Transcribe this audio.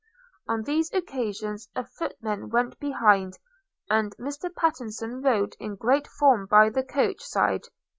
On these occasions a footman went behind, and Mr Pattenson rode in great form by the coach side.